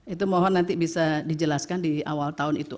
itu bisa dijelaskan di awal tahun itu